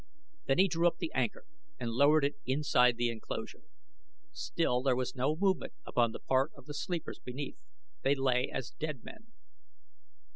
Then he drew up the anchor and lowered it inside the enclosure. Still there was no movement upon the part of the sleepers beneath they lay as dead men.